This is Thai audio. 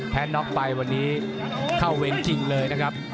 น็อกไปวันนี้เข้าเวรจริงเลยนะครับ